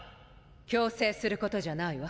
強制することじゃないわ。